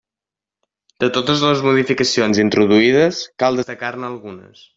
De totes les modificacions introduïdes, cal destacar-ne algunes.